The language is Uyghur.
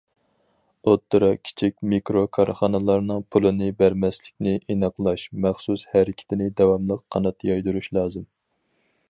ئوتتۇرا، كىچىك، مىكرو كارخانىلارنىڭ پۇلىنى بەرمەسلىكنى ئېنىقلاش مەخسۇس ھەرىكىتىنى داۋاملىق قانات يايدۇرۇش لازىم.